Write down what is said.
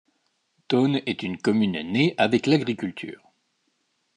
Thônes est une commune née avec l'agriculture.